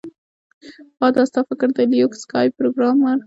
ها دا ستا فکر دی لیوک سکای پروګرامر